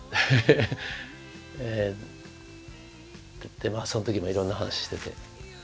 でまあその時もいろんな話してて。